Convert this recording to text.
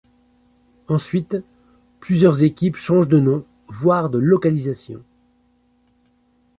Ensuite, plusieurs équipes changent de nom, voire de localisations.